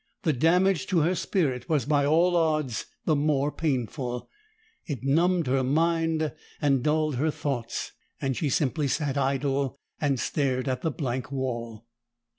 The damage to her spirit was by all odds the more painful; it numbed her mind and dulled her thoughts, and she simply sat idle and stared at the blank wall.